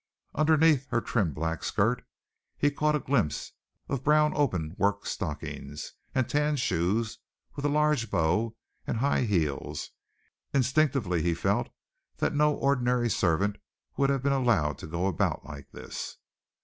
Underneath her trim black skirt he had caught a glimpse of brown open worked stockings, and tan shoes with a large bow and high heels. Instinctively he felt that no ordinary servant would have been allowed to go about like this.